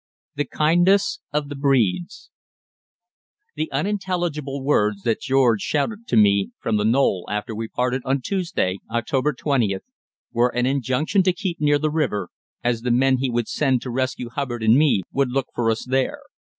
THE KINDNESS OF THE BREEDS The unintelligible words that George shouted to me from the knoll after we parted on Tuesday (October 20th) were an injunction to keep near the river, as the men he would send to rescue Hubbard and me would look for us there.